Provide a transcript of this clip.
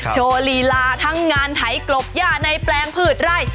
โดรีลาทั้งงานไถกรบหญ้าในแปลงพืชไร่